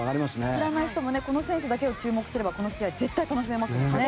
知らない人もこの選手に注目すればこの試合絶対に楽しめますからね。